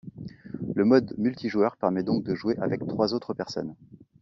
Le mode multijoueur permet donc de jouer avec trois autres personnes.